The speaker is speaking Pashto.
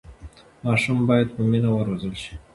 ماشومان باید په مینه وروزل شي.